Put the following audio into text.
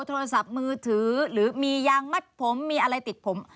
โทรศัพท์มือถือหรือมียางมัดผมมีอะไรติดผม